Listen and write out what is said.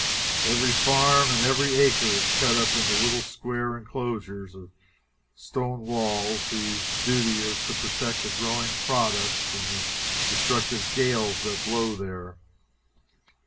Every farm and every acre is cut up into little square inclosures by stone walls, whose duty it is to protect the growing products from the destructive gales that blow there.